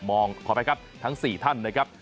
มองพอไปครับทั้ง๔ท่านนะครับ